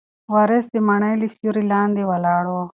وارث د مڼې له سیوري لاندې ولاړ و.